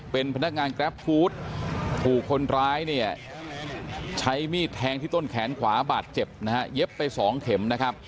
เป็นพนักงานกราฟฟู้ดผูกคนร้ายใช้มีดแทงที่ต้นแขนขวาบาดเจ็บเย็บไป๒เข็ม